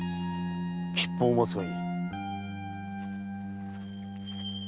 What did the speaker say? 吉報を待つがいい。